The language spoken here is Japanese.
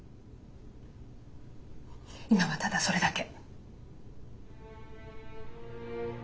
今はただそれだけ。